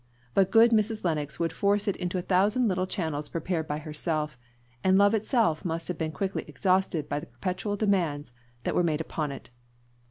But good Mrs. Lennox would force it into a thousand little channels prepared by herself, and love itself must have been quickly exhausted by the perpetual demands that were made upon it.